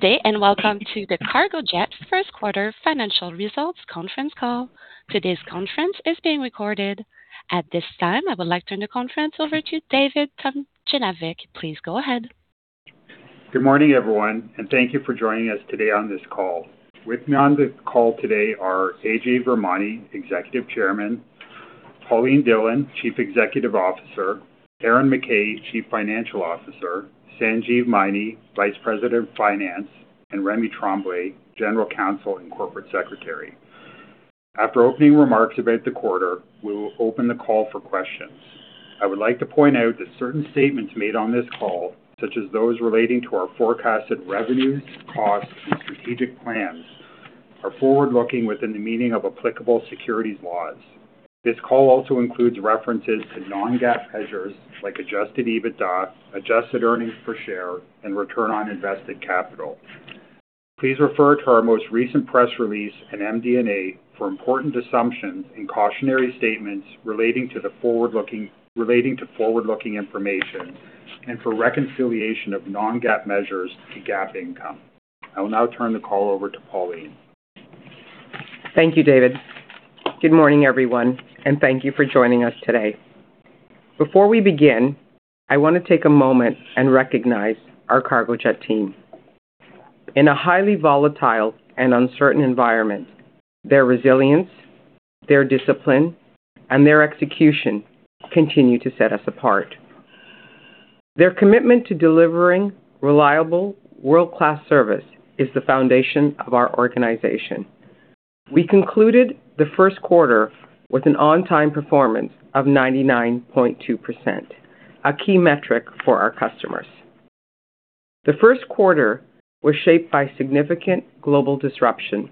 Good day, and welcome to the Cargojet first quarter financial results conference call. Today's conference is being recorded. At this time, I would like to turn the conference over to David Tomljenovic. Please go ahead. Good morning, everyone, and thank you for joining us today on this call. With me on the call today are Ajay Virmani, Executive Chairman, Pauline Dhillon, Chief Executive Officer, Aaron McKay, Chief Financial Officer, Sanjeev Maini, Vice President of Finance, and Remy Tremblay, General Counsel and Corporate Secretary. After opening remarks about the quarter, we will open the call for questions. I would like to point out that certain statements made on this call, such as those relating to our forecasted revenues, costs, and strategic plans, are forward-looking within the meaning of applicable securities laws. This call also includes references to non-GAAP measures like Adjusted EBITDA, Adjusted Earnings Per Share, and Return on Invested Capital. Please refer to our most recent press release and MD&A for important assumptions and cautionary statements relating to forward-looking information and for reconciliation of non-GAAP measures to GAAP income. I will now turn the call over to Pauline. Thank you, David. Good morning, everyone, and thank you for joining us today. Before we begin, I want to take a moment and recognize our Cargojet team. In a highly volatile and uncertain environment, their resilience, their discipline, and their execution continue to set us apart. Their commitment to delivering reliable world-class service is the foundation of our organization. We concluded the first quarter with an on-time performance of 99.2%, a key metric for our customers. The first quarter was shaped by significant global disruption.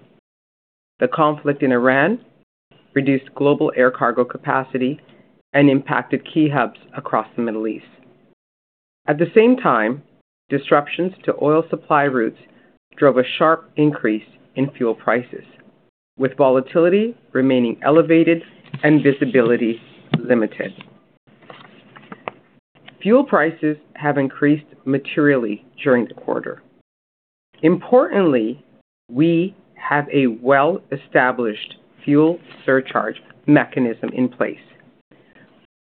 The conflict in Iran reduced global air cargo capacity and impacted key hubs across the Middle East. At the same time, disruptions to oil supply routes drove a sharp increase in fuel prices, with volatility remaining elevated and visibility limited. Fuel prices have increased materially during the quarter. Importantly, we have a well-established fuel surcharge mechanism in place.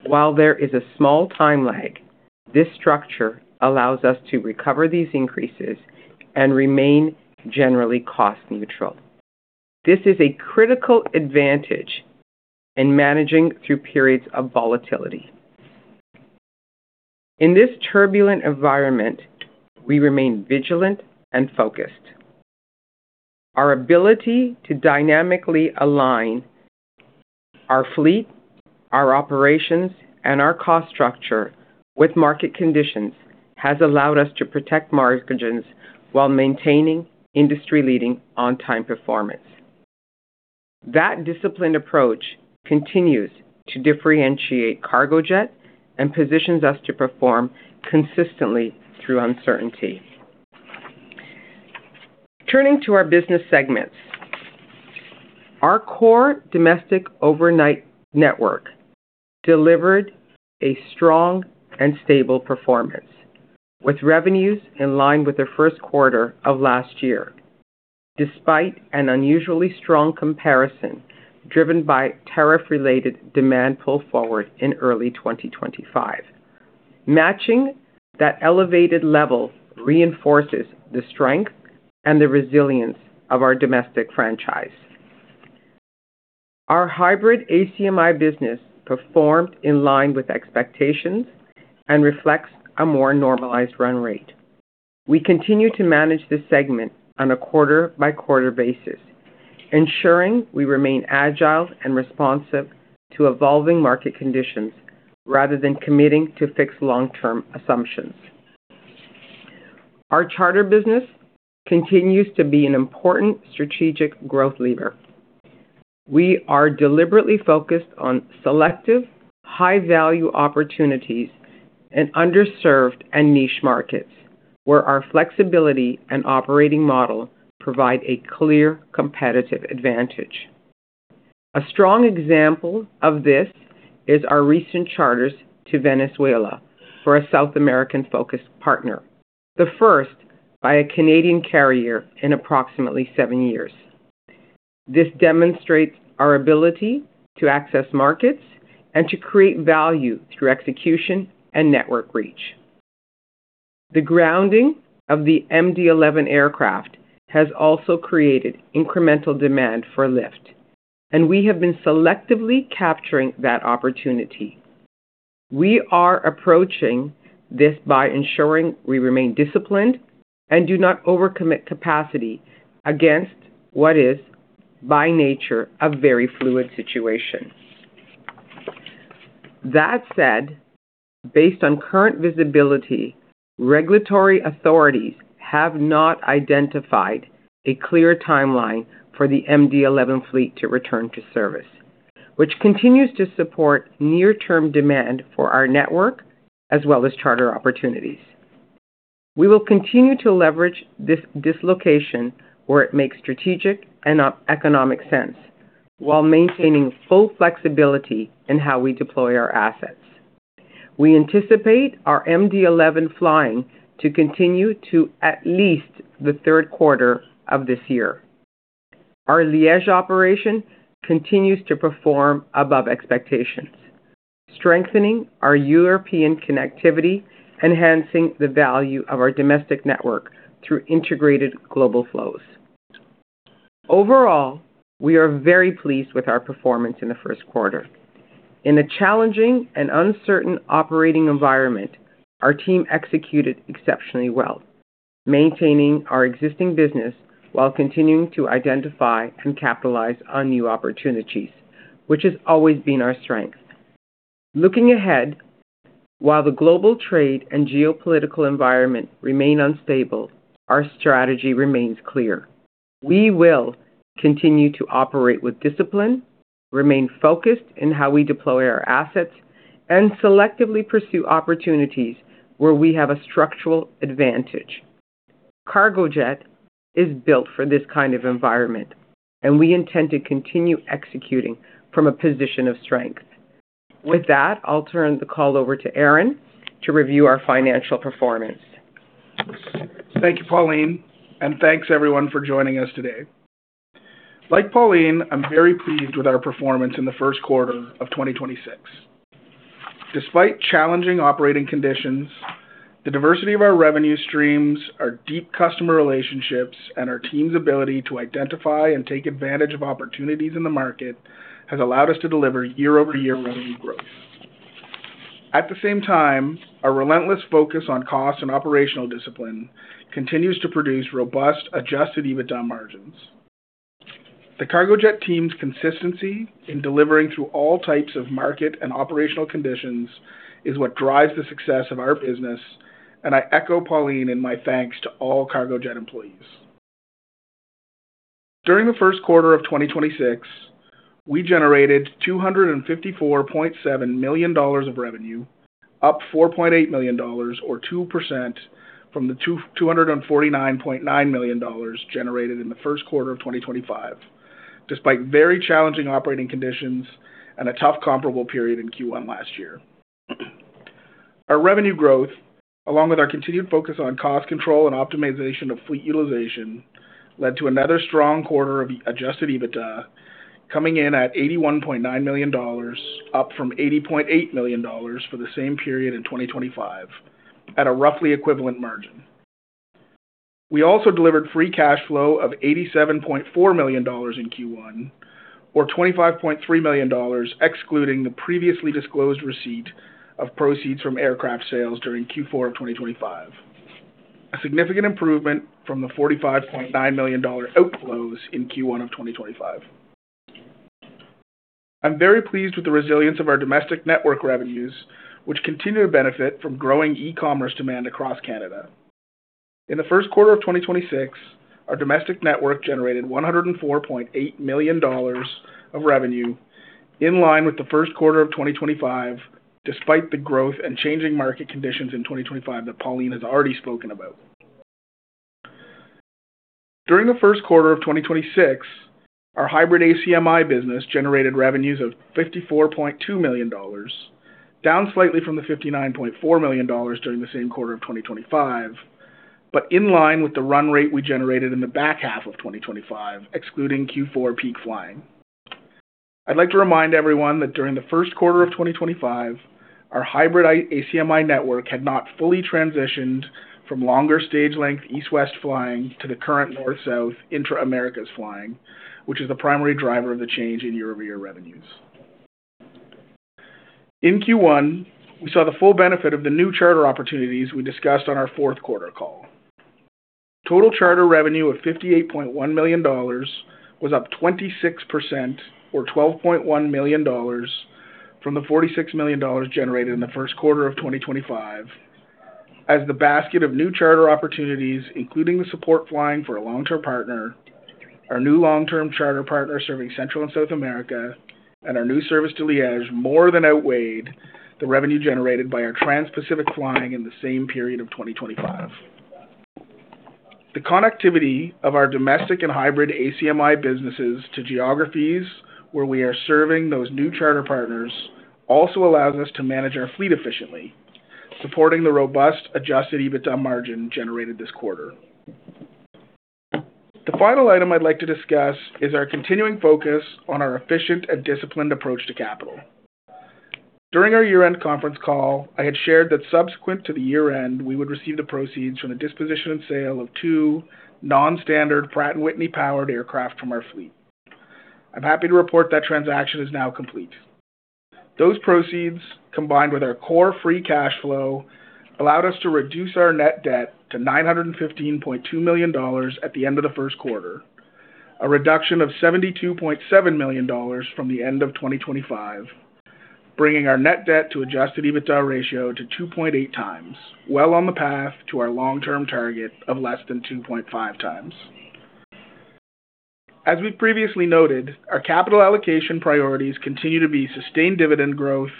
While there is a small time lag, this structure allows us to recover these increases and remain generally cost-neutral. This is a critical advantage in managing through periods of volatility. In this turbulent environment, we remain vigilant and focused. Our ability to dynamically align our fleet, our operations, and our cost structure with market conditions has allowed us to protect margins while maintaining industry-leading on-time performance. That disciplined approach continues to differentiate Cargojet and positions us to perform consistently through uncertainty. Turning to our business segments. Our core domestic overnight network delivered a strong and stable performance, with revenues in line with the first quarter of last year, despite an unusually strong comparison driven by tariff-related demand pull forward in early 2025. Matching that elevated level reinforces the strength and the resilience of our domestic franchise. Our hybrid ACMI business performed in line with expectations and reflects a more normalized run rate. We continue to manage this segment on a quarter-by-quarter basis, ensuring we remain agile and responsive to evolving market conditions rather than committing to fixed long-term assumptions. Our charter business continues to be an important strategic growth lever. We are deliberately focused on selective high-value opportunities in underserved and niche markets where our flexibility and operating model provide a clear competitive advantage. A strong example of this is our recent charters to Venezuela for a South American-focused partner, the first by a Canadian carrier in approximately seven years. This demonstrates our ability to access markets and to create value through execution and network reach. The grounding of the MD-11 aircraft has also created incremental demand for lift, and we have been selectively capturing that opportunity. We are approaching this by ensuring we remain disciplined and do not overcommit capacity against what is, by nature, a very fluid situation. That said, based on current visibility, regulatory authorities have not identified a clear timeline for the MD-11 fleet to return to service, which continues to support near-term demand for our network as well as charter opportunities. We will continue to leverage this dislocation where it makes strategic and economic sense while maintaining full flexibility in how we deploy our assets. We anticipate our MD-11 flying to continue to at least the third quarter of this year. Our Liège operation continues to perform above expectations, strengthening our European connectivity, enhancing the value of our domestic network through integrated global flows. Overall, we are very pleased with our performance in the first quarter. In a challenging and uncertain operating environment, our team executed exceptionally well, maintaining our existing business while continuing to identify and capitalize on new opportunities, which has always been our strength. Looking ahead, while the global trade and geopolitical environment remain unstable, our strategy remains clear. We will continue to operate with discipline, remain focused in how we deploy our assets, and selectively pursue opportunities where we have a structural advantage. Cargojet is built for this kind of environment, and we intend to continue executing from a position of strength. With that, I'll turn the call over to Aaron to review our financial performance. Thank you, Pauline, and thanks everyone for joining us today. Like Pauline, I'm very pleased with our performance in the first quarter of 2026. Despite challenging operating conditions, the diversity of our revenue streams, our deep customer relationships, and our team's ability to identify and take advantage of opportunities in the market has allowed us to deliver year-over-year revenue growth. At the same time, our relentless focus on cost and operational discipline continues to produce robust Adjusted EBITDA margins. The Cargojet team's consistency in delivering through all types of market and operational conditions is what drives the success of our business, and I echo Pauline in my thanks to all Cargojet employees. During the first quarter of 2026, we generated 254.7 million dollars of revenue, up 4.8 million dollars or 2% from the 249.9 million dollars generated in the first quarter of 2025, despite very challenging operating conditions and a tough comparable period in Q1 last year. Our revenue growth, along with our continued focus on cost control and optimization of fleet utilization, led to another strong quarter of Adjusted EBITDA coming in at 81.9 million dollars, up from 80.8 million dollars for the same period in 2025 at a roughly equivalent margin. We also delivered Free Cash Flow of 87.4 million dollars in Q1, or 25.3 million dollars, excluding the previously disclosed receipt of proceeds from aircraft sales during Q4 of 2025. A significant improvement from the 45.9 million dollar outflows in Q1 of 2025. I'm very pleased with the resilience of our domestic network revenues, which continue to benefit from growing e-commerce demand across Canada. In the first quarter of 2026, our domestic network generated 104.8 million dollars of revenue in line with the first quarter of 2025, despite the growth and changing market conditions in 2025 that Pauline has already spoken about. During the first quarter of 2026, our hybrid ACMI business generated revenues of 54.2 million dollars, down slightly from the 59.4 million dollars during the same quarter of 2025, but in line with the run rate we generated in the back half of 2025, excluding Q4 peak flying. I'd like to remind everyone that during the first quarter of 2025, our hybrid ACMI network had not fully transitioned from longer stage length East-West flying to the current North-South Intra-Americas flying, which is the primary driver of the change in year-over-year revenues. In Q1, we saw the full benefit of the new charter opportunities we discussed on our fourth quarter call. Total charter revenue of 58.1 million dollars was up 26% or 12.1 million dollars from the 46 million dollars generated in the first quarter of 2025 as the basket of new charter opportunities, including the support flying for a long-term partner, our new long-term charter partner serving Central and South America, and our new service to Liège more than outweighed the revenue generated by our Trans-Pacific flying in the same period of 2025. The connectivity of our domestic and hybrid ACMI businesses to geographies where we are serving those new charter partners also allows us to manage our fleet efficiently, supporting the robust Adjusted EBITDA margin generated this quarter. The final item I'd like to discuss is our continuing focus on our efficient and disciplined approach to capital. During our year-end conference call, I had shared that subsequent to the year-end, we would receive the proceeds from the disposition and sale of two non-standard Pratt & Whitney powered aircraft from our fleet. I'm happy to report that transaction is now complete. Those proceeds, combined with our core Free Cash Flow, allowed us to reduce our Net Debt to 915.2 million dollars at the end of the first quarter, a reduction of 72.7 million dollars from the end of 2025, bringing our Net Debt to Adjusted EBITDA Ratio to 2.8x, well on the path to our long-term target of less than 2.5x. As we've previously noted, our capital allocation priorities continue to be sustained dividend growth,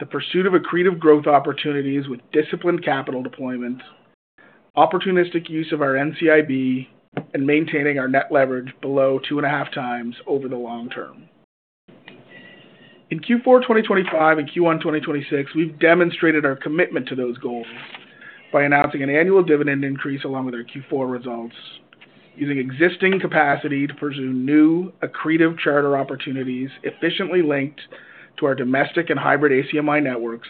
the pursuit of accretive growth opportunities with disciplined capital deployment, opportunistic use of our NCIB, and maintaining our Net Leverage below 2.5x over the long term. In Q4 2025 and Q1 2026, we've demonstrated our commitment to those goals by announcing an annual dividend increase along with our Q4 results, using existing capacity to pursue new accretive charter opportunities efficiently linked to our domestic and hybrid ACMI networks,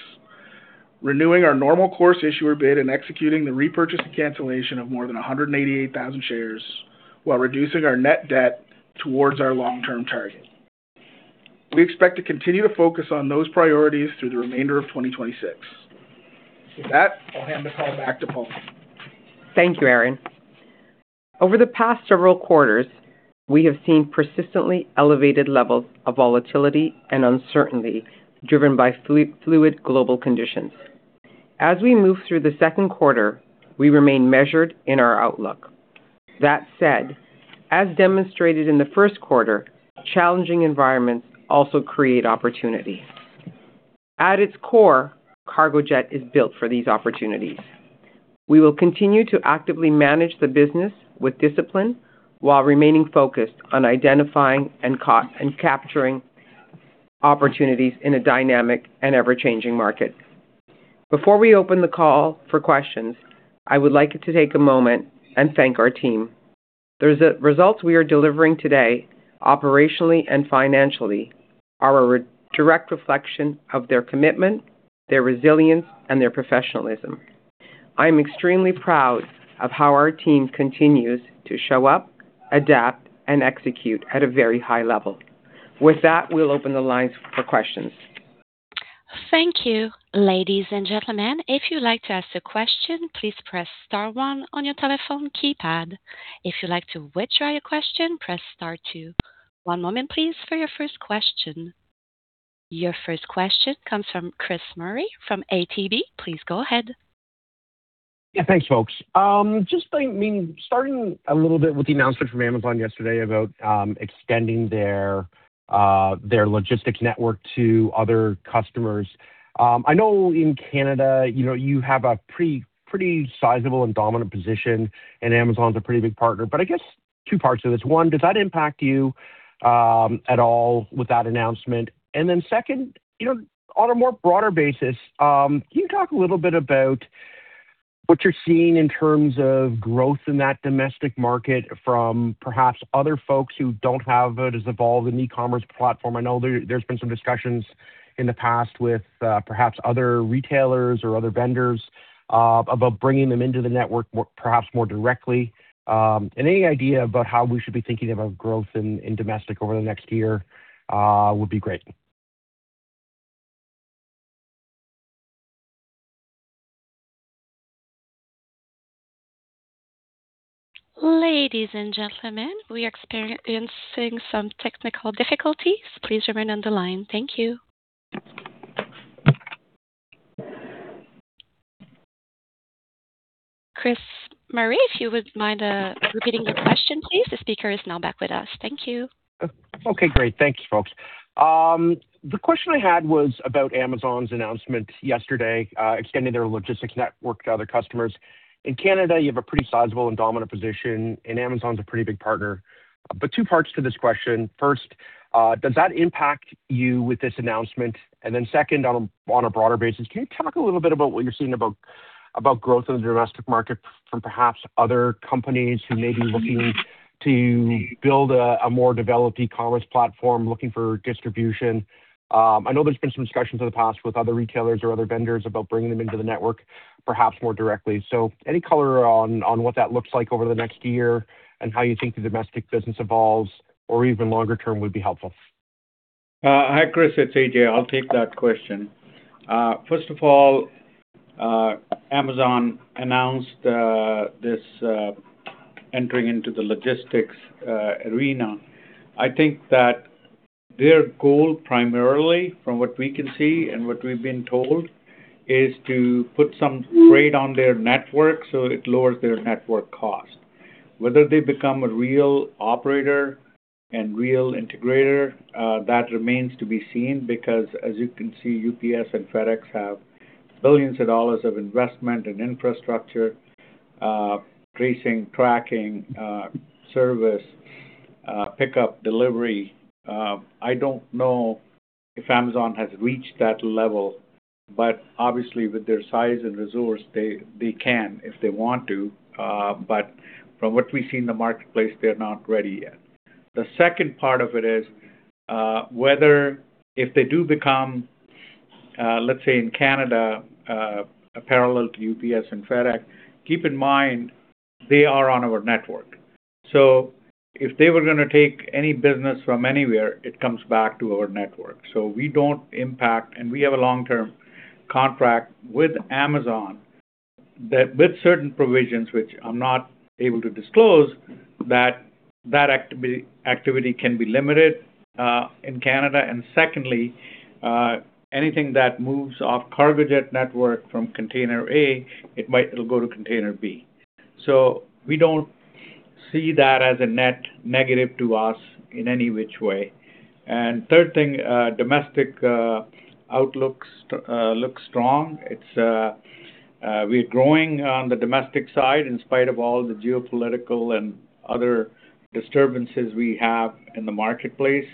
renewing our Normal Course Issuer Bid and executing the repurchase and cancellation of more than 188,000 shares while reducing our net debt towards our long-term target. We expect to continue to focus on those priorities through the remainder of 2026. With that, I'll hand the call back to Pauline. Thank you, Aaron. Over the past several quarters, we have seen persistently elevated levels of volatility and uncertainty driven by fluid global conditions. As we move through the second quarter, we remain measured in our outlook. That said, as demonstrated in the first quarter, challenging environments also create opportunity. At its core, Cargojet is built for these opportunities. We will continue to actively manage the business with discipline while remaining focused on identifying and capturing opportunities in a dynamic and ever-changing market. Before we open the call for questions, I would like to take a moment and thank our team. The results we are delivering today, operationally and financially, are a direct reflection of their commitment, their resilience, and their professionalism. I'm extremely proud of how our team continues to show up, adapt, and execute at a very high level. With that, we'll open the lines for questions. Thank you. Your first question comes from Chris Murray from ATB. Please go ahead. Yeah, thanks, folks. Just, I mean, starting a little bit with the announcement from Amazon yesterday about extending their logistics network to other customers. I know in Canada, you know, you have a pretty sizable and dominant position, and Amazon's a pretty big partner. I guess two parts of this. One, does that impact you at all with that announcement? Then second, you know, on a more broader basis, can you talk a little bit about what you're seeing in terms of growth in that domestic market from perhaps other folks who don't have as evolved an e-commerce platform? I know there's been some discussions in the past with perhaps other retailers or other vendors about bringing them into the network more, perhaps more directly. Any idea about how we should be thinking about growth in domestic over the next year, would be great. Ladies and gentlemen, we're experiencing some technical difficulties. Please remain on the line. Thank you. Chris Murray, if you wouldn't mind repeating your question, please. The speaker is now back with us. Thank you. Okay, great. Thank you, folks. The question I had was about Amazon's announcement yesterday, extending their logistics network to other customers. In Canada, you have a pretty sizable and dominant position, and Amazon's a pretty big partner. Two parts to this question. First, does that impact you with this announcement? Second, on a broader basis, can you talk a little bit about what you're seeing about growth in the domestic market from perhaps other companies who may be looking to build a more developed e-commerce platform, looking for distribution? I know there's been some discussions in the past with other retailers or other vendors about bringing them into the network, perhaps more directly. Any color on what that looks like over the next year and how you think the domestic business evolves or even longer term would be helpful. Hi, Chris. It's Ajay. I'll take that question. First of all, Amazon announced this entering into the logistics arena. I think that their goal primarily from what we can see and what we've been told is to put some freight on their network, so it lowers their network cost. Whether they become a real operator and real integrator, that remains to be seen because as you can see, UPS and FedEx have billions of dollars of investment in infrastructure, tracing, tracking, service, pickup, delivery. I don't know if Amazon has reached that level, but obviously with their size and resource, they can if they want to. From what we see in the marketplace, they're not ready yet. The second part of it is, whether if they do become, let's say in Canada, a parallel to UPS and FedEx, keep in mind they are on our network. If they were gonna take any business from anywhere, it comes back to our network. We don't impact, and we have a long-term contract with Amazon that with certain provisions, which I'm not able to disclose, that that activity can be limited in Canada. Secondly, anything that moves off Cargojet network from container A, it'll go to container B. We don't see that as a net negative to us in any which way. Third thing, domestic outlooks look strong. It's, We're growing on the domestic side in spite of all the geopolitical and other disturbances we have in the marketplace.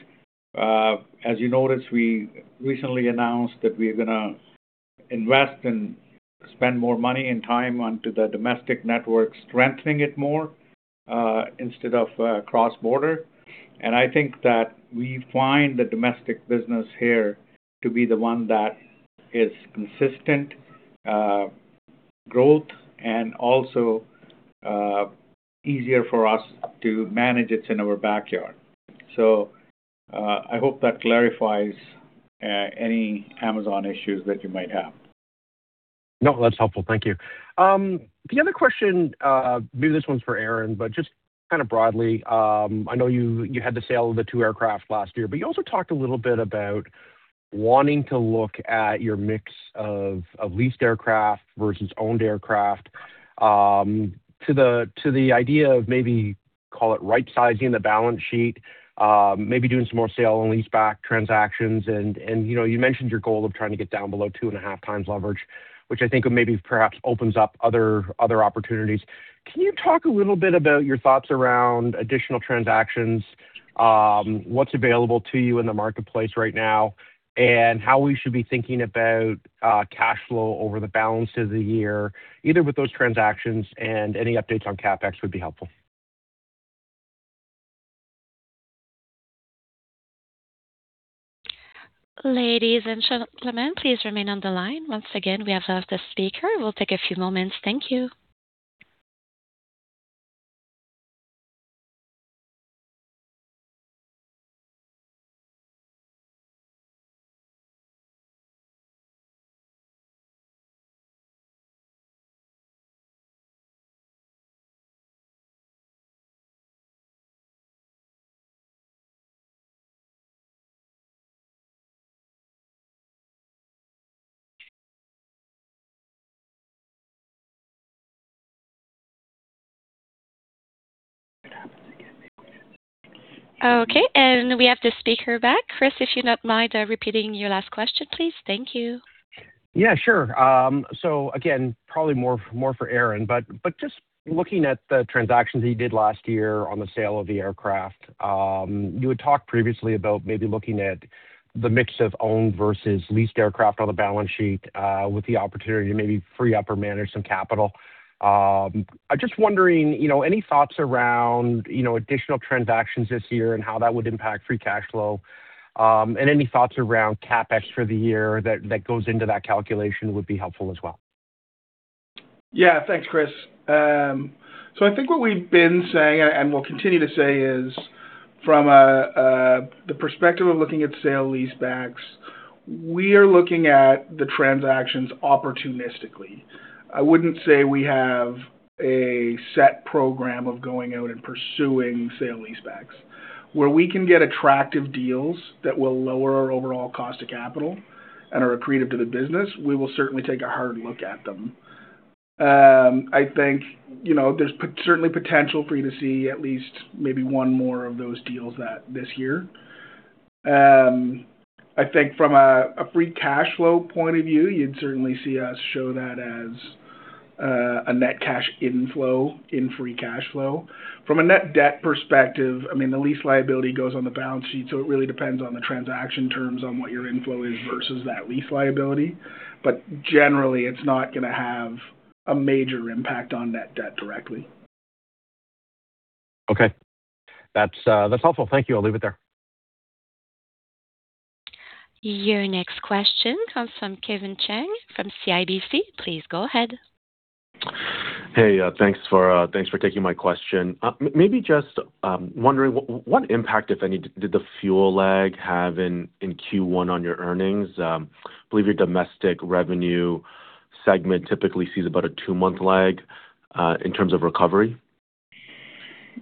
As you noticed, we recently announced that we're gonna invest and spend more money and time onto the domestic network, strengthening it more, instead of cross-border. I think that we find the domestic business here to be the one that is consistent growth and also easier for us to manage. It's in our backyard. I hope that clarifies any Amazon issues that you might have. No, that's helpful. Thank you. The other question, maybe this one's for Aaron, but just kind of broadly, I know you had the sale of the two aircraft last year, but you also talked a little bit about wanting to look at your mix of leased aircraft versus owned aircraft, to the idea of maybe call it right-sizing the balance sheet, maybe doing some more sale and leaseback transactions and, you know, you mentioned your goal of trying to get down below 2.5x leverage, which I think maybe perhaps opens up other opportunities. Can you talk a little bit about your thoughts around additional transactions, what's available to you in the marketplace right now, and how we should be thinking about cash flow over the balance of the year, either with those transactions and any updates on CapEx would be helpful? Ladies and gentlemen, please remain on the line. Once again, we have another speaker. We'll take a few moments. Thank you. Okay, we have the speaker back. Chris, if you don't mind repeating your last question, please. Thank you. Yeah, sure. Again, probably more for Aaron, just looking at the transactions that you did last year on the sale of the aircraft, you had talked previously about maybe looking at the mix of owned versus leased aircraft on the balance sheet, with the opportunity to maybe free up or manage some capital. I'm just wondering, you know, any thoughts around, you know, additional transactions this year and how that would impact Free Cash Flow? Any thoughts around CapEx for the year that goes into that calculation would be helpful as well. Yeah. Thanks, Chris. I think what we've been saying, and we'll continue to say, is from the perspective of looking at sale leasebacks, we are looking at the transactions opportunistically. I wouldn't say we have a set program of going out and pursuing sale leasebacks. Where we can get attractive deals that will lower our overall cost of capital and are accretive to the business, we will certainly take a hard look at them. I think, you know, there's certainly potential for you to see at least maybe one more of those deals at this year. I think from a Free Cash Flow point of view, you'd certainly see us show that as a net cash inflow in Free Cash Flow. From a Net Debt perspective, I mean, the lease liability goes on the balance sheet. It really depends on the transaction terms on what your inflow is versus that lease liability. Generally, it's not gonna have a major impact on Net Debt directly. Okay. That's, that's helpful. Thank you. I'll leave it there. Your next question comes from Kevin Chiang from CIBC. Please go ahead. Hey, thanks for taking my question. Maybe just wondering what impact, if any, did the fuel lag have in Q1 on your earnings? Believe your domestic revenue segment typically sees about a two-month lag in terms of recovery.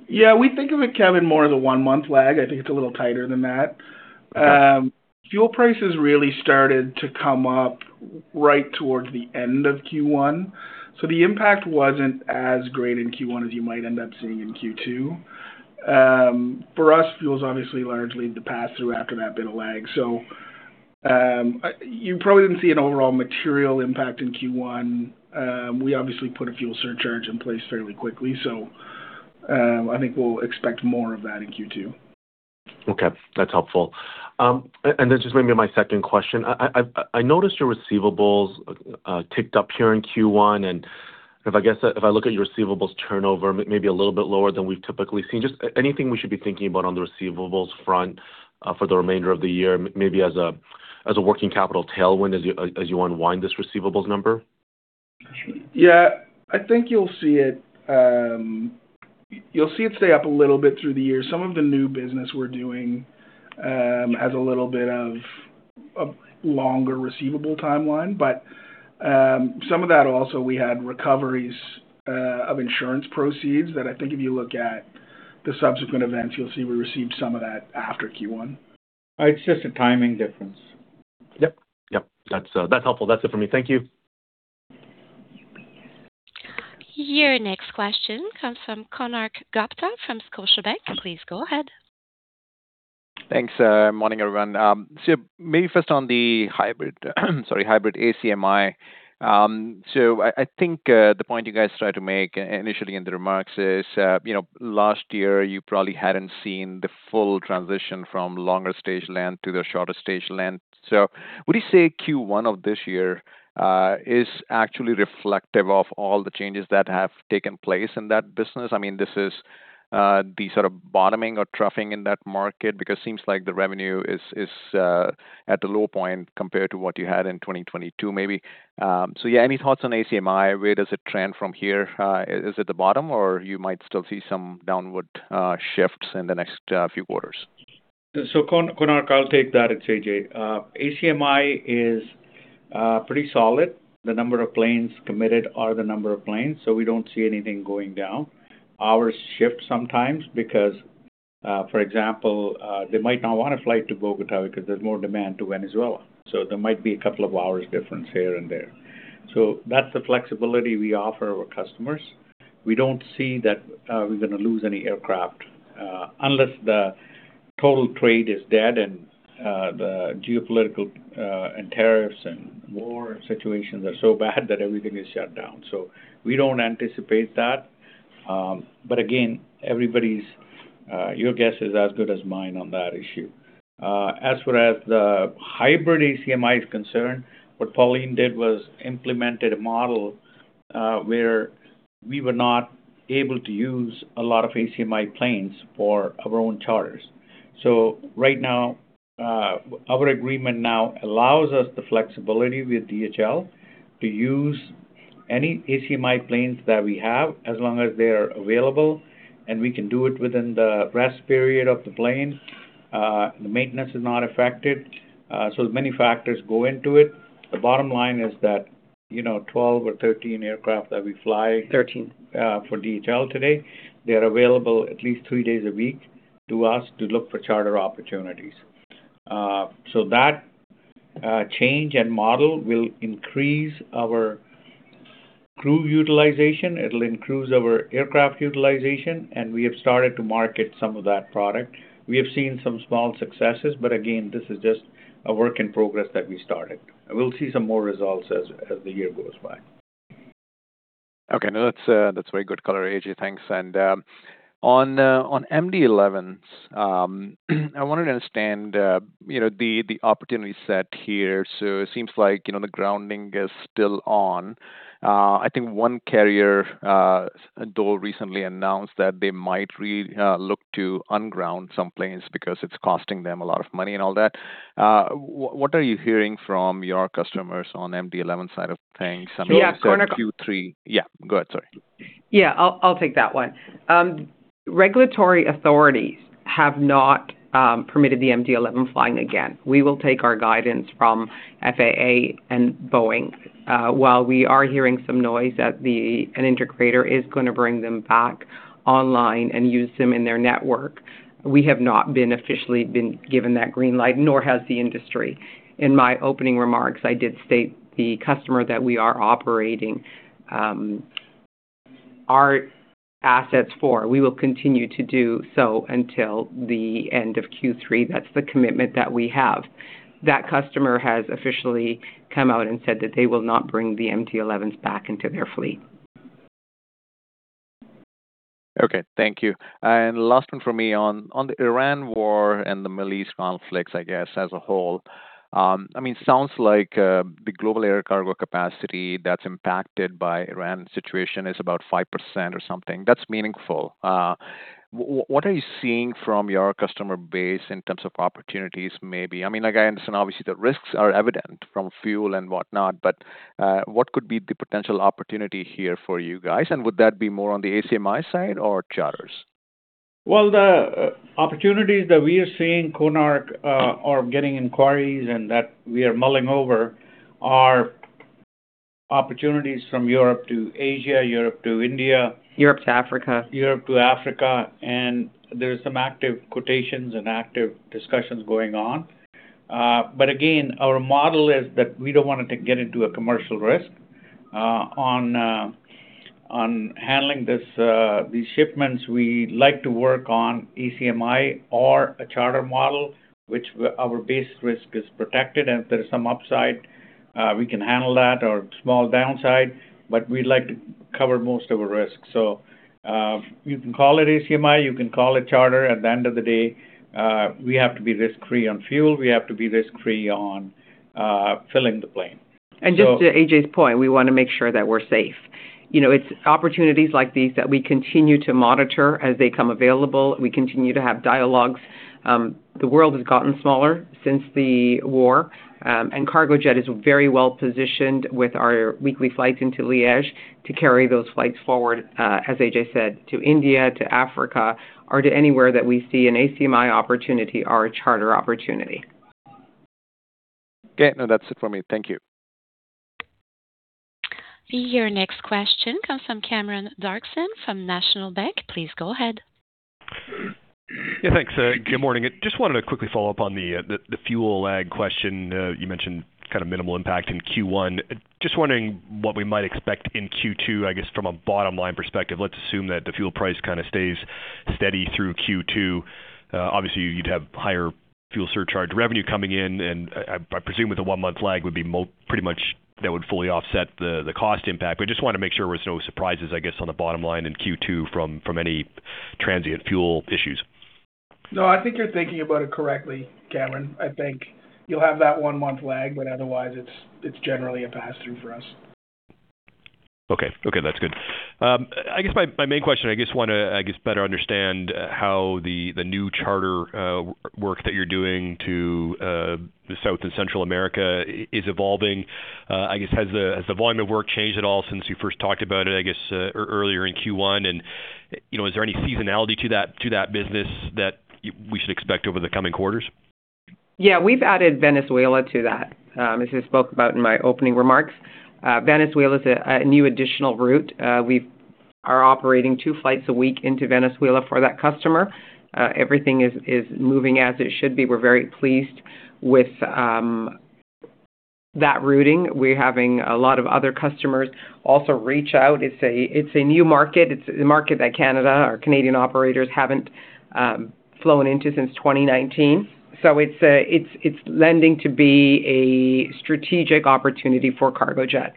Yeah. We think of it, Kevin, more as a one-month lag. I think it's a little tighter than that. Okay. Fuel prices really started to come up right towards the end of Q1, so the impact wasn't as great in Q1 as you might end up seeing in Q2. For us, fuel is obviously largely the pass-through after that bit of lag. You probably didn't see an overall material impact in Q1. We obviously put a fuel surcharge in place fairly quickly, so I think we'll expect more of that in Q2. Okay. That's helpful. Just maybe my second question. I noticed your receivables ticked up here in Q1, and if I look at your receivables turnover, maybe a little bit lower than we've typically seen. Just anything we should be thinking about on the receivables front for the remainder of the year, maybe as a working capital tailwind as you unwind this receivables number? Yeah. I think you'll see it, you'll see it stay up a little bit through the year. Some of the new business we're doing, has a little bit of a longer receivable timeline. Some of that also we had recoveries of insurance proceeds that I think if you look at the subsequent events, you'll see we received some of that after Q1. It's just a timing difference. Yep. Yep. That's, that's helpful. That's it for me. Thank you. Your next question comes from Konark Gupta from Scotiabank. Please go ahead. Thanks. Morning, everyone. Maybe first on the hybrid, sorry, hybrid ACMI. I think the point you guys tried to make initially in the remarks is, you know, last year you probably hadn't seen the full transition from longer stage length to the shorter stage length. Would you say Q1 of this year is actually reflective of all the changes that have taken place in that business? I mean, this is the sort of bottoming or troughing in that market because seems like the revenue is at a low point compared to what you had in 2022 maybe. Yeah, any thoughts on ACMI? Where does it trend from here? Is it the bottom, or you might still see some downward shifts in the next few quarters? Konark, I'll take that. It's Ajay. ACMI is pretty solid. The number of planes committed are the number of planes, so we don't see anything going down. Hours shift sometimes because, for example, they might not wanna fly to Bogota because there's more demand to Venezuela, so there might be a couple of hours difference here and there. That's the flexibility we offer our customers. We don't see that we're gonna lose any aircraft unless the total trade is dead and the geopolitical and tariffs and war situations are so bad that everything is shut down. We don't anticipate that. Again, everybody's your guess is as good as mine on that issue. As far as the hybrid ACMI is concerned, what Pauline did was implemented a model, where we were not able to use a lot of ACMI planes for our own charters. Right now, our agreement now allows us the flexibility with DHL to use any ACMI planes that we have as long as they are available, and we can do it within the rest period of the plane. The maintenance is not affected. Many factors go into it. The bottom line is that, 12 or 13 aircraft that we fly. 13. for DHL today, they're available at least three days a week to us to look for charter opportunities. That change and model will increase our crew utilization, it'll increase our aircraft utilization, we have started to market some of that product. We have seen some small successes, again, this is just a work in progress that we started. We'll see some more results as the year goes by. Okay. No, that's very good color, Ajay. Thanks. On MD-11s, I wanted to understand, you know, the opportunity set here. It seems like, you know, the grounding is still on. I think one carrier, Dole, recently announced that they might look to unground some planes because it's costing them a lot of money and all that. What are you hearing from your customers on MD-11 side of things? I mean. Yeah, Konark, Q3 Yeah, go ahead, sorry. I'll take that one. Regulatory authorities have not permitted the MD-11 flying again. We will take our guidance from FAA and Boeing. While we are hearing some noise that an integrator is gonna bring them back online and use them in their network, we have not been officially given that green light, nor has the industry. In my opening remarks, I did state the customer that we are operating our assets for, we will continue to do so until the end of Q3. That's the commitment that we have. That customer has officially come out and said that they will not bring the MD-11s back into their fleet. Okay. Thank you. Last one from me on the Iran War and the Middle East conflicts, I guess, as a whole. I mean, sounds like the global air cargo capacity that's impacted by Iran situation is about 5% or something. That's meaningful. What are you seeing from your customer base in terms of opportunities maybe? I mean, like, I understand obviously the risks are evident from fuel and whatnot, but what could be the potential opportunity here for you guys? Would that be more on the ACMI side or charters? Well, the opportunities that we are seeing, Konark, are getting inquiries and that we are mulling over are opportunities from Europe to Asia, Europe to India. Europe to Africa. Europe to Africa. There's some active quotations and active discussions going on. Again, our model is that we don't want to get into a commercial risk. On handling this, these shipments, we like to work on ACMI or a charter model, which our base risk is protected. If there is some upside, we can handle that or small downside, but we like to cover most of our risk. You can call it ACMI, you can call it charter. At the end of the day, we have to be risk-free on fuel. We have to be risk-free on filling the plane. Just to Ajay's point, we wanna make sure that we're safe. You know, it's opportunities like these that we continue to monitor as they come available. We continue to have dialogues. The world has gotten smaller since the war, and Cargojet is very well-positioned with our weekly flights into Liège to carry those flights forward, as Ajay said, to India, to Africa, or to anywhere that we see an ACMI opportunity or a charter opportunity. Okay. No, that's it for me. Thank you. Your next question comes from Cameron Doerksen from National Bank. Please go ahead. Yeah, thanks. good morning. I just wanted to quickly follow up on the fuel lag question. You mentioned kind of minimal impact in Q1. Just wondering what we might expect in Q2, I guess from a bottom line perspective. Let's assume that the fuel price kind of stays steady through Q2. Obviously you'd have higher fuel surcharge revenue coming in, and I, I presume with the one-month lag would be pretty much that would fully offset the cost impact. Just wanna make sure there was no surprises, I guess, on the bottom line in Q2 from any transient fuel issues. No, I think you're thinking about it correctly, Cameron. I think you'll have that one-month lag, but otherwise it's generally a pass-through for us. Okay. Okay, that's good. My main question, I just wanna better understand how the new charter work that you're doing to the South and Central America is evolving. Has the volume of work changed at all since you first talked about it earlier in Q1? You know, is there any seasonality to that business that we should expect over the coming quarters? Yeah. We've added Venezuela to that, as I spoke about in my opening remarks. Venezuela is a new additional route. We are operating two flights a week into Venezuela for that customer. Everything is moving as it should be. We're very pleased with that routing. We're having a lot of other customers also reach out. It's a new market. It's a market that Canada or Canadian operators haven't flown into since 2019. It's lending to be a strategic opportunity for Cargojet.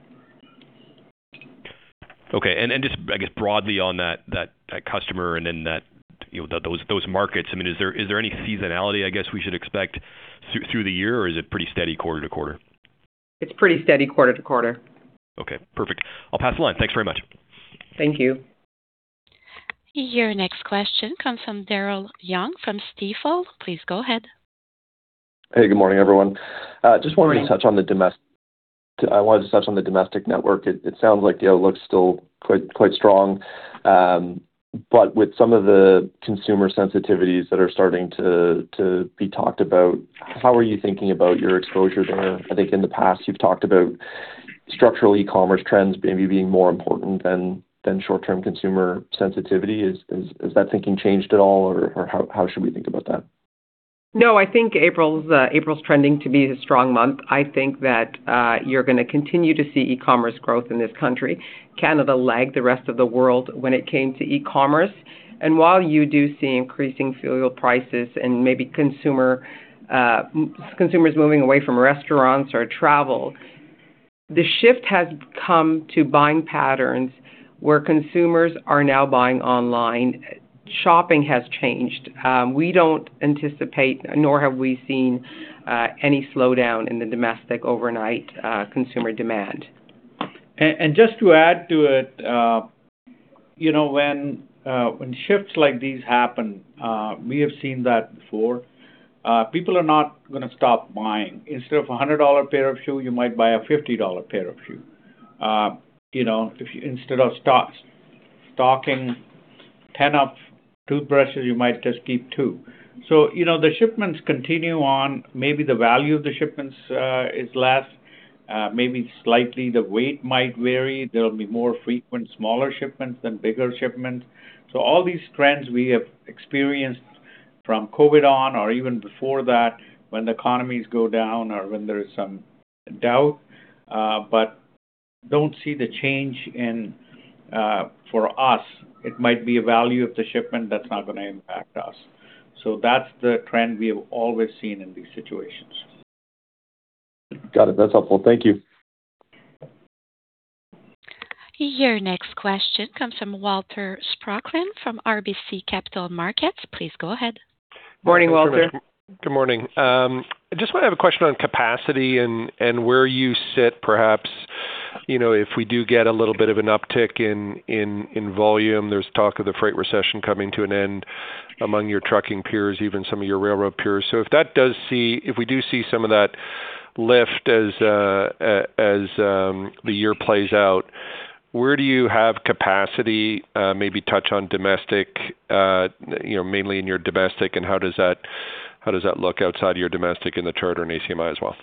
Okay. Just I guess broadly on that customer and then that, you know, those markets, I mean, is there any seasonality I guess we should expect through the year, or is it pretty steady quarter to quarter? It's pretty steady quarter to quarter. Okay. Perfect. I'll pass the line. Thanks very much. Thank you. Your next question comes from Daryl Young from Stifel. Please go ahead. Hey, good morning, everyone. Good morning. I wanted to touch on the domestic network. It sounds like the outlook's still quite strong. With some of the consumer sensitivities that are starting to be talked about, how are you thinking about your exposure there? I think in the past you've talked about structural e-commerce trends maybe being more important than short-term consumer sensitivity. Is that thinking changed at all, or how should we think about that? No, I think April's trending to be a strong month. I think that, you're gonna continue to see e-commerce growth in this country. Canada lagged the rest of the world when it came to e-commerce. While you do see increasing fuel prices and maybe consumers moving away from restaurants or travel, the shift has come to buying patterns where consumers are now buying online. Shopping has changed. We don't anticipate, nor have we seen, any slowdown in the domestic overnight, consumer demand. Just to add to it, you know, when shifts like these happen, we have seen that before, people are not gonna stop buying. Instead of a 100 dollar pair of shoe, you might buy a 50 dollar pair of shoe. You know, instead of stocking 10 of toothbrushes, you might just keep two. You know, the shipments continue on. Maybe the value of the shipments is less, maybe slightly the weight might vary. There'll be more frequent smaller shipments than bigger shipments. All these trends we have experienced from COVID on or even before that when the economies go down or when there is some doubt, but don't see the change in for us. It might be a value of the shipment that's not gonna impact us. That's the trend we have always seen in these situations. Got it. That is helpful. Thank you. Your next question comes from Walter Spracklin from RBC Capital Markets. Please go ahead. Morning, Walter. Good morning. I just wanna have a question on capacity and where you sit, perhaps, you know, if we do get a little bit of an uptick in volume. There's talk of the freight recession coming to an end among your trucking peers, even some of your railroad peers. If we do see some of that lift as the year plays out, where do you have capacity? Maybe touch on domestic, you know, mainly in your domestic and how does that look outside of your domestic in the charter and ACMI as well?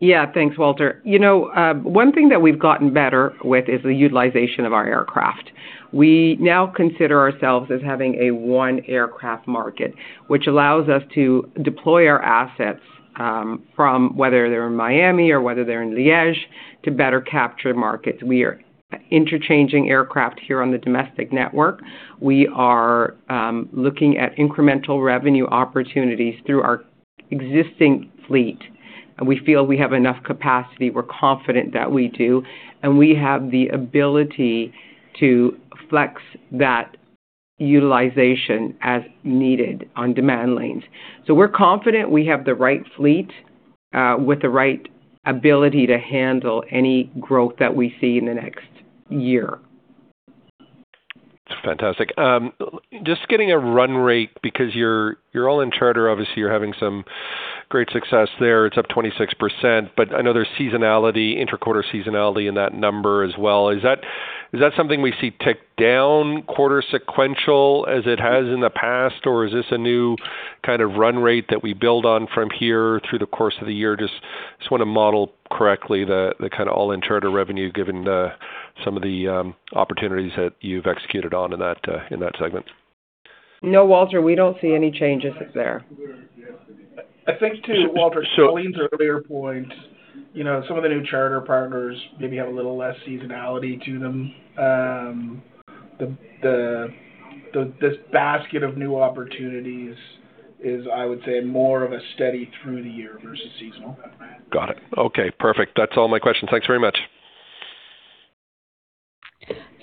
Yeah. Thanks, Walter. You know, one thing that we've gotten better with is the utilization of our aircraft. We now consider ourselves as having a one aircraft market, which allows us to deploy our assets from whether they're in Miami or whether they're in Liège, to better capture markets. We are interchanging aircraft here on the domestic network. We are looking at incremental revenue opportunities through our existing fleet. We feel we have enough capacity. We're confident that we do, and we have the ability to flex that utilization as needed on demand lanes. We're confident we have the right fleet with the right ability to handle any growth that we see in the next year. Fantastic. Just getting a run rate because you're all in charter. Obviously, you're having some great success there. It's up 26%. I know there's seasonality, inter-quarter seasonality in that number as well. Is that, is that something we see tick down quarter sequential as it has in the past, or is this a new kind of run rate that we build on from here through the course of the year? Just wanna model correctly the kind of all-in charter revenue given the, some of the opportunities that you've executed on in that segment. No, Walter, we don't see any changes there. I think too, Walter. So- Pauline's earlier point, you know, some of the new charter partners maybe have a little less seasonality to them. This basket of new opportunities is, I would say, more of a steady through the year versus seasonal. Got it. Okay, perfect. That's all my questions. Thanks very much.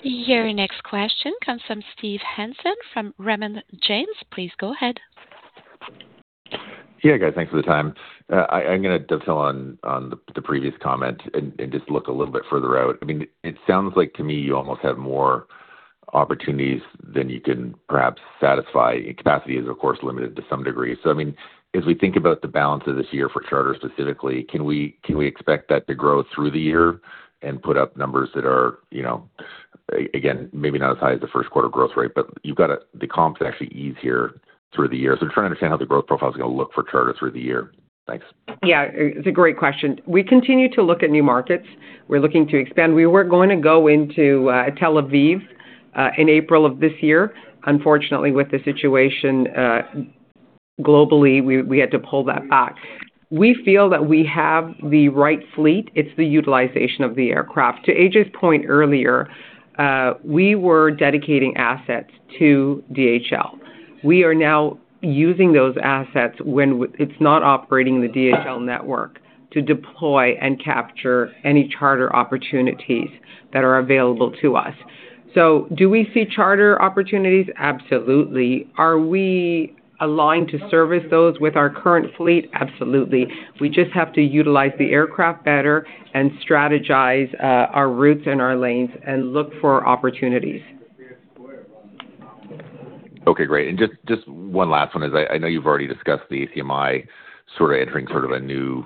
Your next question comes from Steve Hansen from Raymond James. Please go ahead. Yeah, guys, thanks for the time. I'm gonna dovetail on the previous comment and just look a little bit further out. I mean, it sounds like to me you almost have more opportunities than you can perhaps satisfy. Capacity is, of course, limited to some degree. I mean, as we think about the balance of this year for charter specifically, can we expect that to grow through the year and put up numbers that are, you know, again, maybe not as high as the first quarter growth rate, but you've got the comps actually ease here through the year. I'm trying to understand how the growth profile is gonna look for charter through the year. Thanks. Yeah. It's a great question. We continue to look at new markets. We're looking to expand. We were going to go into Tel Aviv in April of this year. Unfortunately, with the situation globally, we had to pull that back. We feel that we have the right fleet. It's the utilization of the aircraft. To Ajay's point earlier, we were dedicating assets to DHL. We are now using those assets when it's not operating the DHL network to deploy and capture any charter opportunities that are available to us. Do we see charter opportunities? Absolutely. Are we aligned to service those with our current fleet? Absolutely. We just have to utilize the aircraft better and strategize our routes and our lanes and look for opportunities. Okay, great. Just one last one, as I know you've already discussed the ACMI sort of entering sort of a new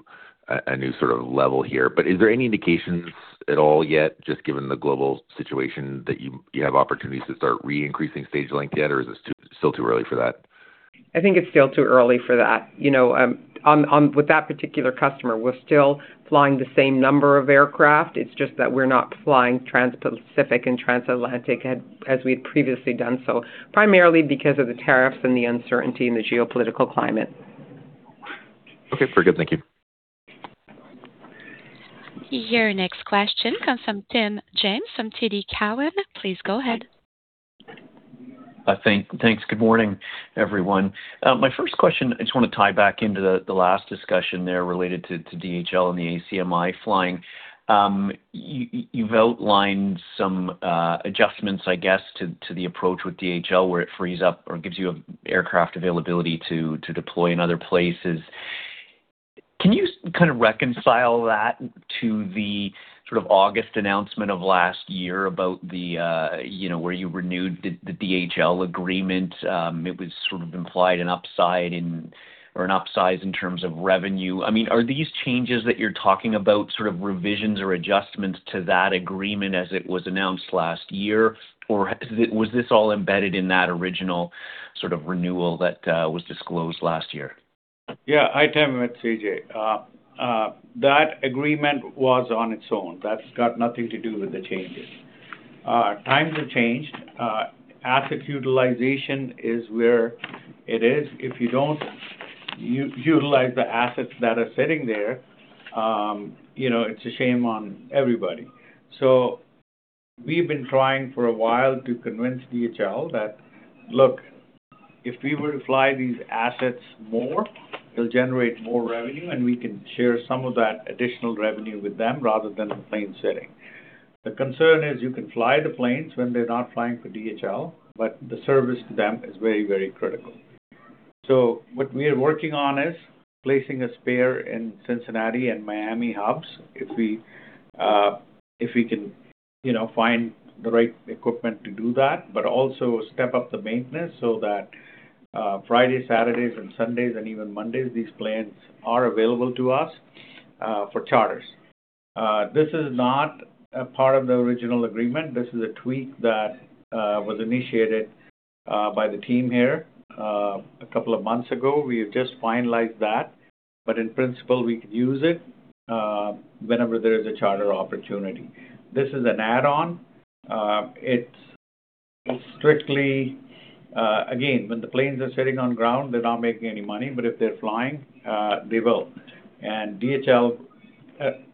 sort of level here. Is there any indications at all yet, just given the global situation that you have opportunities to start re-increasing stage length yet, or is this still too early for that? I think it's still too early for that. You know, with that particular customer, we're still flying the same number of aircraft. It's just that we're not flying Trans-Pacific and Transatlantic as we've previously done so, primarily because of the tariffs and the uncertainty in the geopolitical climate. Okay, very good. Thank you. Your next question comes from Tim James from TD Cowen. Please go ahead. Good morning, everyone. My first question, I just want to tie back into the last discussion there related to DHL and the ACMI flying. You've outlined some adjustments, I guess, to the approach with DHL, where it frees up or gives you aircraft availability to deploy in other places. Can you kind of reconcile that to the sort of August announcement of last year about the, you know, where you renewed the DHL agreement? It was sort of implied an upside in or an upsize in terms of revenue. I mean, are these changes that you're talking about sort of revisions or adjustments to that agreement as it was announced last year, or was this all embedded in that original sort of renewal that was disclosed last year? Yeah. Hi, Tim. It's Ajay. That agreement was on its own. That's got nothing to do with the changes. Times have changed. Asset utilization is where it is. If you don't utilize the assets that are sitting there, you know, it's a shame on everybody. We've been trying for a while to convince DHL that, look, if we were to fly these assets more, it'll generate more revenue, and we can share some of that additional revenue with them rather than the plane sitting. The concern is you can fly the planes when they're not flying for DHL, but the service to them is very, very critical. What we are working on is placing a spare in Cincinnati and Miami hubs, if we can, you know, find the right equipment to do that, but also step up the maintenance so that Fridays, Saturdays and Sundays and even Mondays, these planes are available to us for charters. This is not a part of the original agreement. This is a tweak that was initiated by the team here a couple of months ago. We have just finalized that. In principle, we could use it whenever there is a charter opportunity. This is an add-on. Again, when the planes are sitting on ground, they're not making any money, but if they're flying, they will. DHL,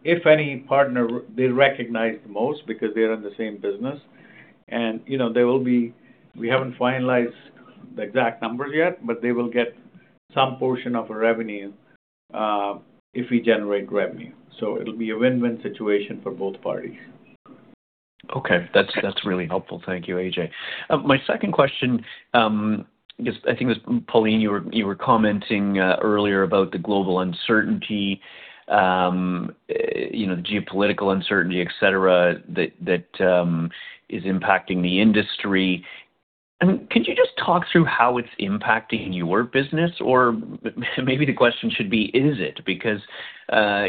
if any partner, they recognize the most because they're in the same business. You know, we haven't finalized the exact numbers yet, but they will get some portion of our revenue if we generate revenue. It'll be a win-win situation for both parties. Okay. That's really helpful. Thank you, Ajay. My second question, it was Pauline, you were commenting earlier about the global uncertainty, you know, the geopolitical uncertainty, et cetera, that is impacting the industry. Could you just talk through how it's impacting your business? Or maybe the question should be, is it?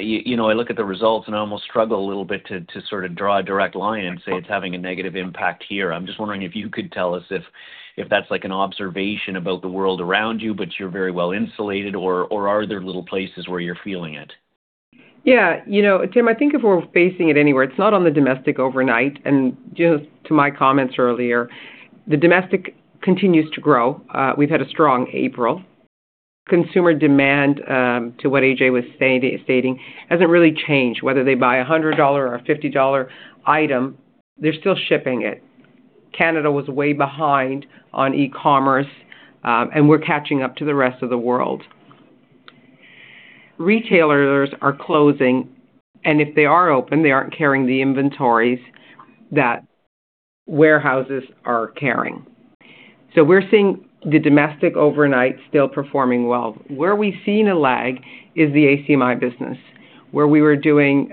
You know, I look at the results and I almost struggle a little bit to sort of draw a direct line and say it's having a negative impact here. I'm just wondering if you could tell us if that's like an observation about the world around you, but you're very well insulated, or are there little places where you're feeling it? Yeah. You know, Tim, I think if we're facing it anywhere, it's not on the domestic overnight. Just to my comments earlier, the domestic continues to grow. We've had a strong April. Consumer demand, to what Ajay was stating, hasn't really changed. Whether they buy a 100 dollar or a 50 dollar item, they're still shipping it. Canada was way behind on e-commerce, and we're catching up to the rest of the world. Retailers are closing, and if they are open, they aren't carrying the inventories that warehouses are carrying. We're seeing the domestic overnight still performing well. Where we've seen a lag is the ACMI business, where we were doing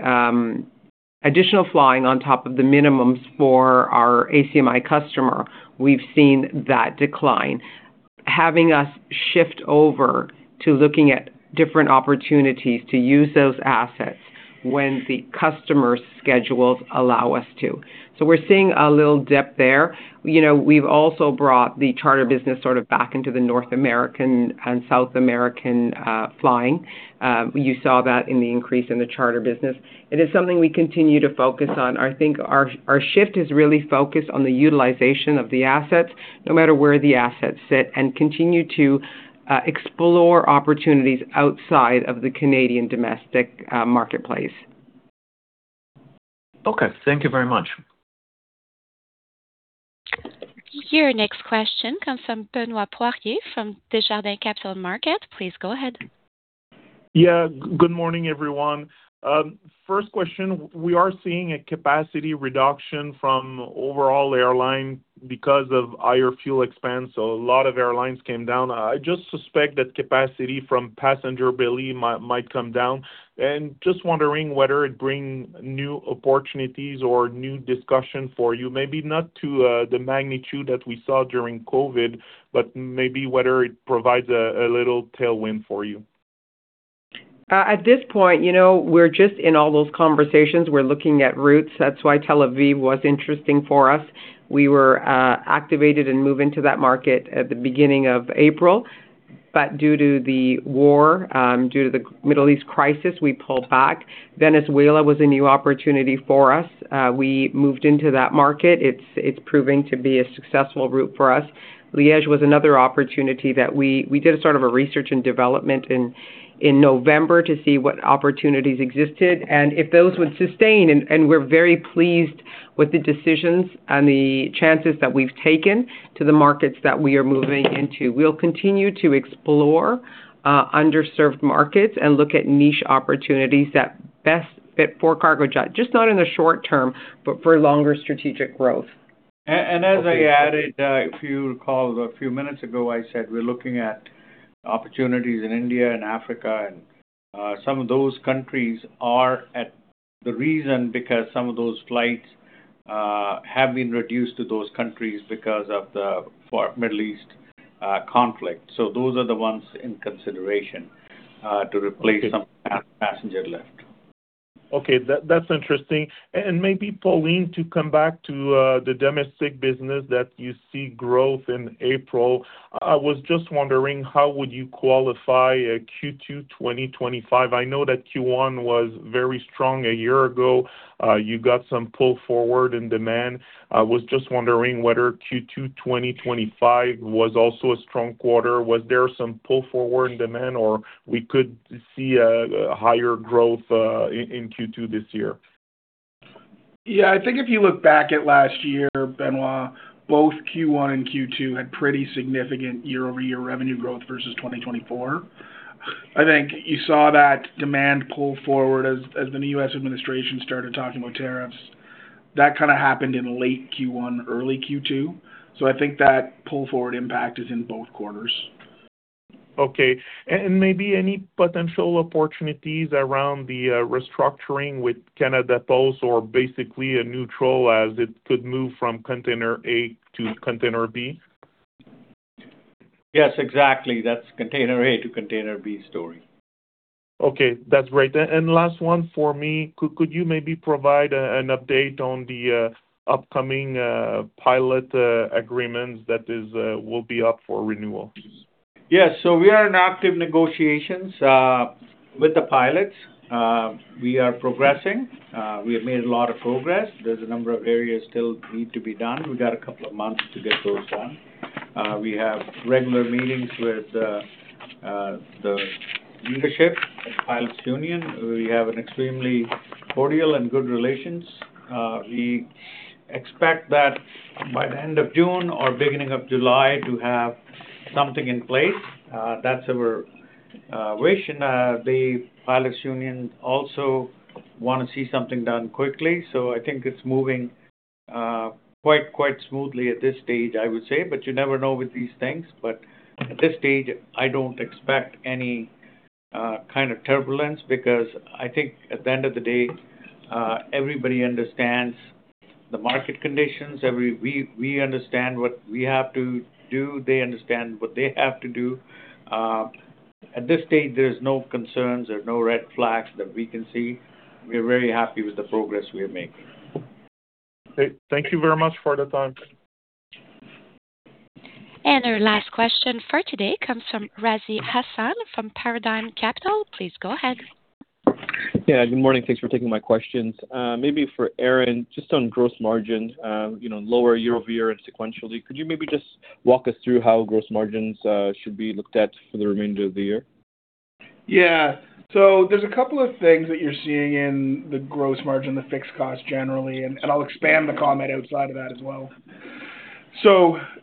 additional flying on top of the minimums for our ACMI customer. We've seen that decline. Having us shift over to looking at different opportunities to use those assets when the customer schedules allow us to. We're seeing a little dip there. You know, we've also brought the charter business sort of back into the North American and South American flying. You saw that in the increase in the charter business. It is something we continue to focus on. I think our shift is really focused on the utilization of the assets no matter where the assets sit, and continue to explore opportunities outside of the Canadian domestic marketplace. Okay. Thank you very much. Your next question comes from Benoit Poirier from Desjardins Capital Markets. Please go ahead. Yeah. Good morning, everyone. First question, we are seeing a capacity reduction from overall airline because of higher fuel expense. A lot of airlines came down. I just suspect that capacity from passenger belly might come down. Just wondering whether it bring new opportunities or new discussion for you. Maybe not to the magnitude that we saw during COVID, but maybe whether it provides a little tailwind for you. At this point, you know, we're just in all those conversations. We're looking at routes. That's why Tel Aviv was interesting for us. We were activated and move into that market at the beginning of April, but due to the war, due to the Middle East crisis, we pulled back. Venezuela was a new opportunity for us. We moved into that market. It's, it's proving to be a successful route for us. Liège was another opportunity that we did a sort of a research and development in November to see what opportunities existed and if those would sustain. We're very pleased with the decisions and the chances that we've taken to the markets that we are moving into. We'll continue to explore underserved markets and look at niche opportunities that best fit for Cargojet, just not in the short term, but for longer strategic growth. As I added, if you recall a few minutes ago, I said we're looking at opportunities in India and Africa, some of those countries are at the reason because some of those flights have been reduced to those countries because of the Middle East conflict. Those are the ones in consideration to replace some passenger lift. Okay. That's interesting. Maybe, Pauline, to come back to the domestic business that you see growth in April. I was just wondering how would you qualify a Q2 2025? I know that Q1 was very strong a year ago. You got some pull forward in demand. I was just wondering whether Q2 2025 was also a strong quarter. Was there some pull forward in demand, or we could see a higher growth in Q2 this year? I think if you look back at last year, Benoit, both Q1 and Q2 had pretty significant year-over-year revenue growth versus 2024. I think you saw that demand pull forward as the new U.S. administration started talking about tariffs. That kind of happened in late Q1, early Q2. I think that pull forward impact is in both quarters. Okay. Maybe any potential opportunities around the restructuring with Canada Post or basically a neutral as it could move from container A to container B? Yes, exactly. That's container A to container B story. Okay, that's great. Last one for me. Could you maybe provide an update on the upcoming pilot agreements that is will be up for renewal? Yes. We are in active negotiations with the pilots. We are progressing. We have made a lot of progress. There's a number of areas still need to be done. We got a couple of months to get those done. We have regular meetings with the leadership at Pilots Union. We have an extremely cordial and good relations. We expect that by the end of June or beginning of July to have something in place. That's our wish. The Pilots Union also want to see something done quickly. I think it's moving quite smoothly at this stage, I would say, but you never know with these things. At this stage, I don't expect any kind of turbulence because I think at the end of the day, everybody understands the market conditions. We understand what we have to do. They understand what they have to do. At this stage, there's no concerns. There are no red flags that we can see. We're very happy with the progress we are making. Great. Thank you very much for the time. Our last question for today comes from Razi Hasan from Paradigm Capital. Please go ahead. Yeah, good morning. Thanks for taking my questions. Maybe for Aaron, just on gross margin, you know, lower year-over-year and sequentially, could you maybe just walk us through how gross margins should be looked at for the remainder of the year? Yeah. There's a couple of things that you're seeing in the gross margin, the fixed cost generally, and I'll expand the comment outside of that as well.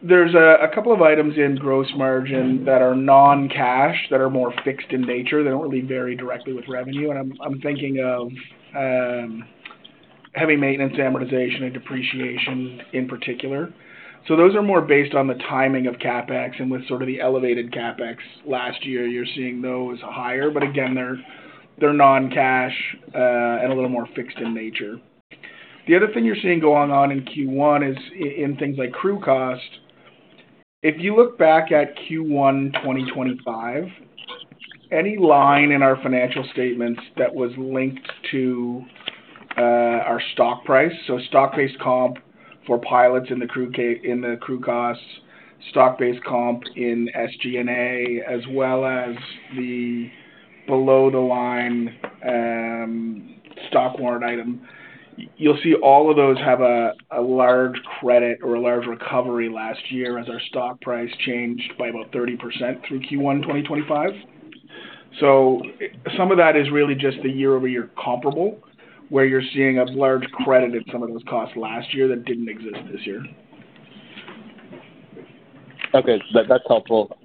There's a couple of items in gross margin that are non-cash, that are more fixed in nature. They don't really vary directly with revenue, and I'm thinking of heavy maintenance amortization and depreciation in particular. Those are more based on the timing of CapEx and with sort of the elevated CapEx last year, you're seeing those higher. Again, they're non-cash and a little more fixed in nature. The other thing you're seeing going on in Q1 is in things like crew cost. If you look back at Q1 2025, any line in our financial statements that was linked to our stock price, so stock-based comp for pilots in the crew cost, stock-based comp in SG&A, as well as the below-the-line stock warrant item, you'll see all of those have a large credit or a large recovery last year as our stock price changed by about 30% through Q1 2025. Some of that is really just a year-over-year comparable, where you're seeing a large credit in some of those costs last year that didn't exist this year. Okay. That's helpful.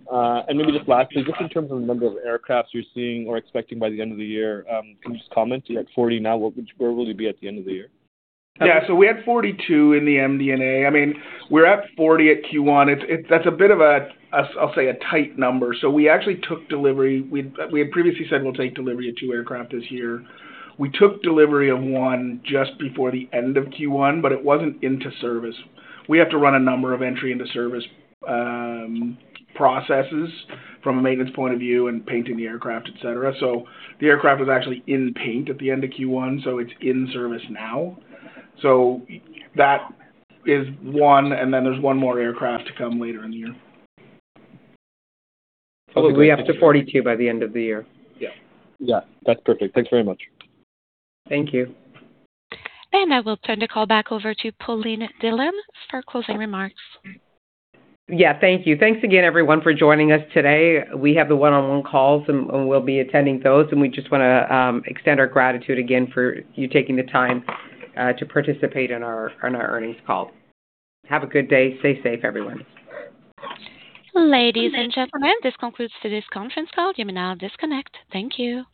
Maybe just lastly, just in terms of the number of aircraft you're seeing or expecting by the end of the year, can you just comment? You're at 40 now. Where will you be at the end of the year? We had 42 in the MD&A. I mean, we're at 40 at Q1. That's a bit of a tight number. We actually took delivery. We had previously said we'll take delivery of two aircraft this year. We took delivery of one just before the end of Q1, but it wasn't into service. We have to run a number of entry into service processes from a maintenance point of view and painting the aircraft, et cetera. The aircraft was actually in paint at the end of Q1, so it's in service now. That is one. There's one more aircraft to come later in the year. We'll be up to 42 by the end of the year. Yeah. Yeah. That's perfect. Thanks very much. Thank you. I will turn the call back over to Pauline Dhillon for closing remarks. Yeah. Thank you. Thanks again, everyone, for joining us today. We have the one-on-one calls and we'll be attending those. We just wanna extend our gratitude again for you taking the time to participate in our earnings call. Have a good day. Stay safe, everyone. Ladies and gentlemen, this concludes today's conference call. You may now disconnect. Thank you.